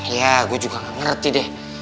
ya gue juga gak ngerti deh